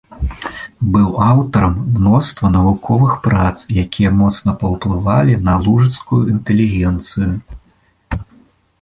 Быў аўтарам мноства навуковых прац, якія моцна паўплывалі на лужыцкую інтэлігенцыю.